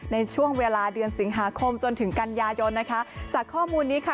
ในช่วงเวลาเดือนสิงหาคมจนถึงกันยายนนะคะจากข้อมูลนี้ค่ะ